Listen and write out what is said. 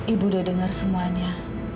ibu udah dengar semuanya